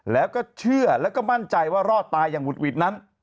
แล้วก็เชื่อแล้วก็มั่นใจว่ารอดตายอย่างหุดหวิดนั้น